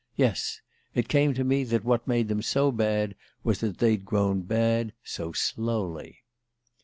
Yes it came to me that what made them so bad was that they'd grown bad so slowly